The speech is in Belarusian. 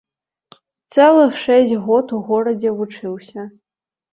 Цэлых шэсць год у горадзе вучыўся.